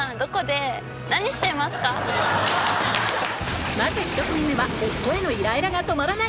まず１組目は夫へのイライラが止まらない！